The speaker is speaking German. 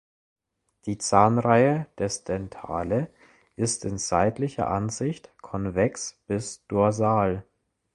Die Zahnreihe des Dentale ist in seitlicher Ansicht konvex bis dorsal.